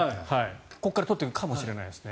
ここから取っているかもしれないですね。